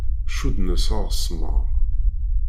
Cudden-as aɣesmar.